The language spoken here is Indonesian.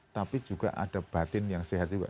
tapi juga ada batin yang sehat juga